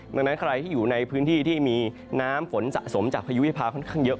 ดังนั้นใครที่อยู่ในพื้นที่ที่มีน้ำฝนสะสมจากพายุวิพาค่อนข้างเยอะ